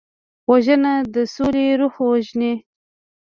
وژنه د سولې روح وژني